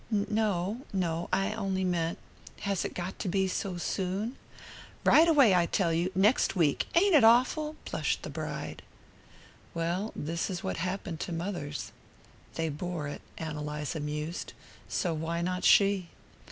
"No no. I on'y meant has it got to be so soon?" "Right away, I tell you next week. Ain't it awful?" blushed the bride. Well, this was what happened to mothers. They bore it, Ann Eliza mused; so why not she?